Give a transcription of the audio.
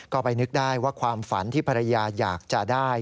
ก็ไปนึกได้ว่าความฝันที่ภรรยาอยากจะได้